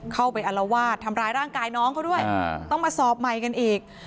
อารวาสทำร้ายร่างกายน้องเขาด้วยต้องมาสอบใหม่กันอีก